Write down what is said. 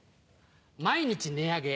毎日値上げ。